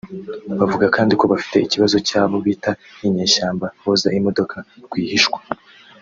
Bavuga kandi ko bafite ikibazo cy’abo bita “Inyeshyamba” boza imodoka rwihishwa